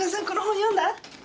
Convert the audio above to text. この本読んだ？